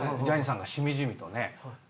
ジャニーさんがしみじみとね